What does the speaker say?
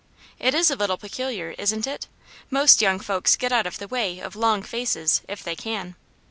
" It is a little peculiar, isn't it ? Most young folks get out of the way of long faces, if they can."